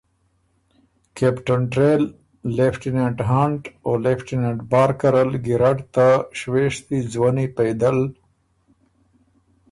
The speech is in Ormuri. کپټن ټرائل، لېفټیننټ هنټ او لېفټیننټ بارکر ال ګیرډ ته شوېشتي ځوَنّي پېدل